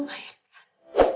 mbak adin sudah main